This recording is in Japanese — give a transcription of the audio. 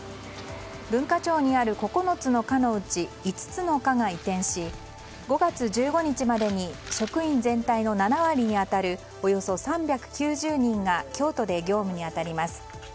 文化庁にある９つの課のうち５つの課が移転し５月１５日までに職員全体の７割に当たるおよそ３９０人が京都で業務に当たります。